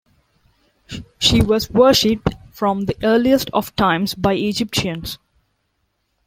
She was worshipped from the earliest of times by Egyptians.